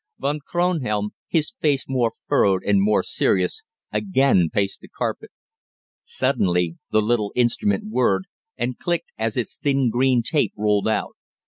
Von Kronhelm, his face more furrowed and more serious, again paced the carpet. Suddenly the little instrument whirred, and clicked as its thin green tape rolled out.